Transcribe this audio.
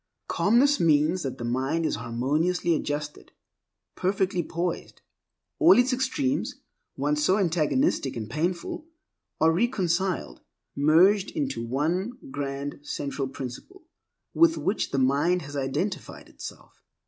Calmness means that the mind is harmoniously adjusted, perfectly poised. All its extremes once so antagonistic and painful are reconciled, merged into one grand central principle with which the mind has identified itself.